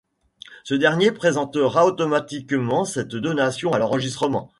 Ce dernier présentera automatiquement cette donation à l’enregistrement.